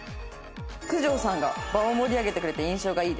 「九条さんが場を盛り上げてくれて印象がいいです」